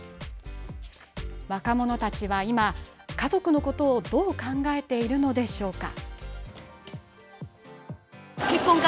若者たちは今、家族のことをどう考えているのでしょうか。